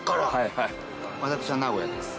私は名古屋です。